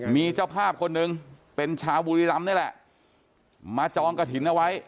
มีเจ้าภาพคนหนึ่งเป็นชาวบุรีรำนี่แหละมาจองกระถิ่นเอาไว้